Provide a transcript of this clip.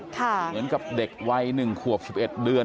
เหมือนกับเด็กวัย๑ขวบ๑๑เดือน